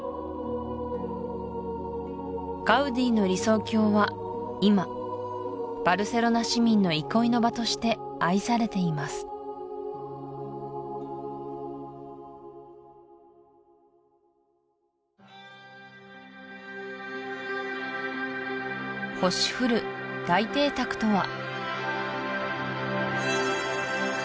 ガウディの理想郷は今バルセロナ市民の憩いの場として愛されていますとは？